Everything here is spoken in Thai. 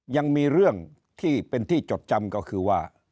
ยังมีเรื่องที่เป็นที่จดจำก็คือว่า